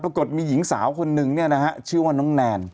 ปรากฏมีหญิงสาวคนนึงเนี่ยนะฮะชื่อว่าน้องแนน